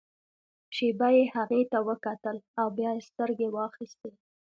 شېبه يې هغې ته وکتل او بيا يې سترګې واخيستې.